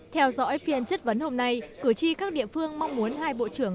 theo dõi phiên chất vấn hôm nay cử tri các địa phương mong muốn hai bộ trưởng